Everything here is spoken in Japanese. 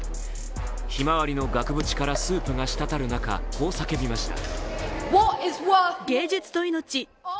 「ひまわり」の額縁からスープがしたたる中こう叫びました。